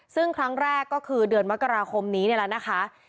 ซึ่งครั้งแรกก็คือเดือนมกราคมนี้นี่แหละนะคะ